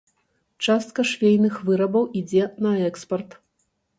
Частка швейных вырабаў ідзе на экспарт.